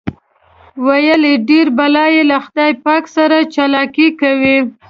ویل یې ډېر بلا یې له خدای پاک سره چالاکي کوي.